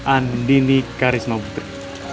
andini karisma putri